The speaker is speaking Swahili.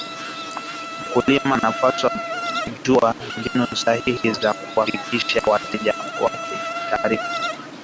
mkulima anapaswa kujua mbinu sahihi za kuwafikishia wateja wake taarifa